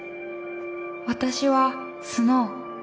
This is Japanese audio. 私はスノウ。